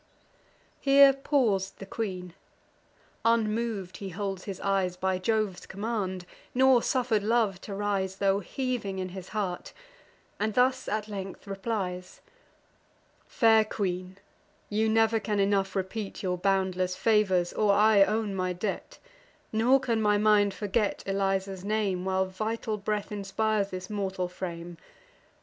Here paus'd the queen. Unmov'd he holds his eyes, By Jove's command; nor suffer'd love to rise, Tho' heaving in his heart; and thus at length replies: "Fair queen, you never can enough repeat Your boundless favours, or I own my debt; Nor can my mind forget Eliza's name, While vital breath inspires this mortal frame.